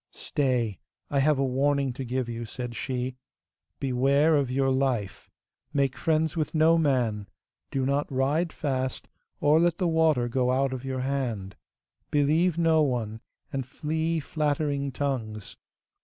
'Stay, I have a warning to give you,' said she. 'Beware of your life; make friends with no man; do not ride fast, or let the water go out of your hand; believe no one, and flee flattering tongues.